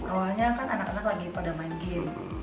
awalnya kan anak anak lagi pada main game